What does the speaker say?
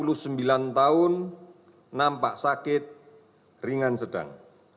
enam puluh dua laki laki lima puluh satu tahun nampak sakit ringan sedang